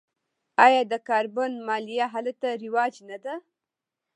آیا د کاربن مالیه هلته رواج نه ده؟